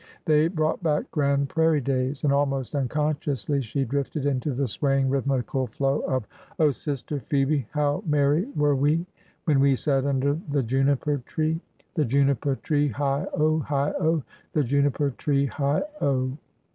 They brought back Grand Prairie days ; and almost unconsciously she drifted into the swaying, rhythmical flow of : Oh, sister Phoebe, how merry were we When we sat under the juniper tree! The juniper tree, heigh o! heigh o! The juniper tree, heigh o!